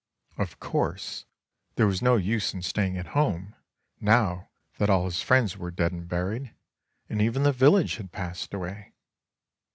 Of course, 287 JAPAN there was no use in staying at home, now that all his friends were dead and buried, and even the village had passed away.